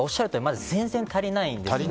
全然足りないんです。